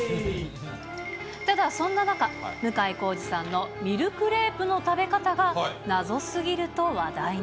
ただ、そんな中、向井康二さんのミルクレープの食べ方が謎過ぎると話題に。